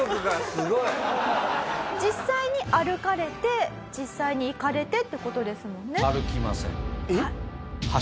実際に歩かれて実際に行かれてって事ですもんね？